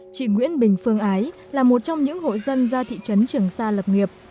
chị nguyễn bình phương ái là một trong những hộ dân ra thị trấn trường sa lập nghiệp